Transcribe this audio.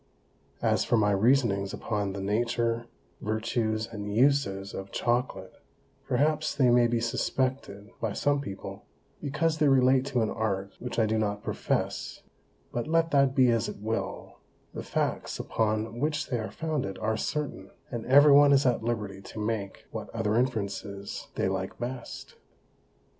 As for my Reasonings upon the Nature, Vertues, and Uses of Chocolate, perhaps they may be suspected by some People, because they relate to an Art which I do not profess; but let that be as it will, the Facts upon which they are founded are certain, and every one is at liberty to make what other Inferences they like best.